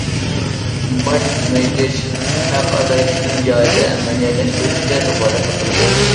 باج كېمەيتىش، ھەق ئازايتىشنى جايىدا ئەمەلىيلەشتۈرۈشكە كاپالەتلىك قىلىمىز.